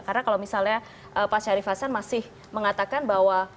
karena kalau misalnya pak syarif hasan masih mengatakan bahwa